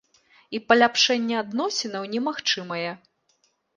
І паляпшэнне адносінаў немагчымае.